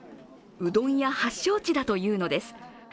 うどん屋発祥地だというのです。